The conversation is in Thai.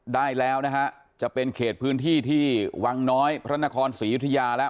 ได้แล้วนะฮะจะเป็นเขตพื้นที่ที่วังน้อยพระนครศรียุธยาแล้ว